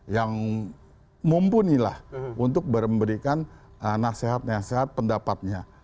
yang mumpuni lah untuk memberikan nasihat nasihat pendapatnya